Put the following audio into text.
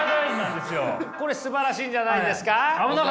これすばらしいんじゃないですか。